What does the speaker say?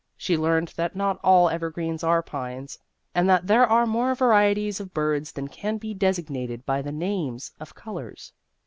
She learned that not all evergreens are pines, and that there are more varieties of birds than can be desig nated by the names of colors.